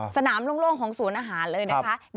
โล่งของสวนอาหารเลยนะคะ